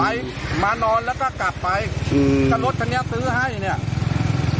ไอ้มานอนแล้วก็กลับไปอืมก็รถคันนี้ซื้อให้เนี้ย